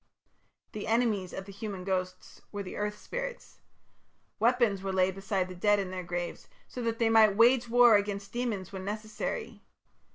The enemies of the human ghosts were the earth spirits. Weapons were laid beside the dead in their graves so that they might wage war against demons when necessary.